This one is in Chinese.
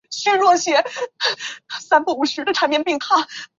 母亲是于大之方。